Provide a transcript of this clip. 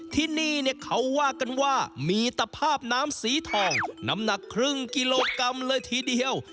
ที่นี่เนี่ยเขาว่ากันว่ามีตภาพน้ำสีทองน้ำหนักครึ่งกิโลกรัมเลยทีเดียว